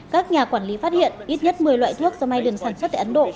các nhà quản lý phát hiện ít nhất một mươi loại thuốc do myden sản xuất tại ấn độ